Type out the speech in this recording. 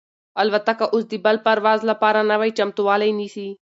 الوتکه اوس د بل پرواز لپاره نوی چمتووالی نیسي.